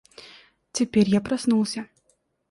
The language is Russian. Теперь я проснулся.